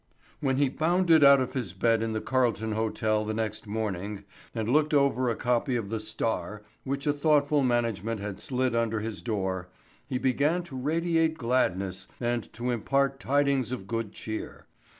When he bounded out of his bed in the Carlton Hotel the next morning and looked over a copy of the Star which a thoughtful management had slid under his door, he began to radiate gladness and to impart tidings of good cheer.